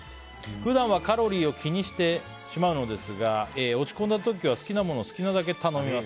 普段はカロリーを気にしてしまうのですが落ち込んだ時は好きなものを好きなだけ頼みます。